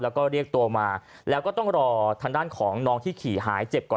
แล้วก็เรียกตัวมาแล้วก็ต้องรอทางด้านของน้องที่ขี่หายเจ็บก่อน